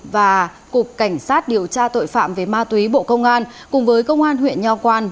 và cục cảnh sát điều tra tội phạm về ma túy bộ công an cùng với công an huyện nho quan